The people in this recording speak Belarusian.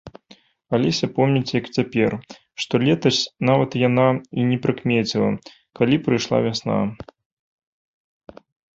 Алеся помніць як цяпер, што летась нават яна і не прыкмеціла, калі прыйшла вясна.